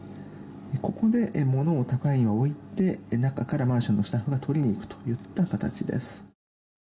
ここで、物を宅配員が置いて中からマンションのスタッフが取りに行くという形です。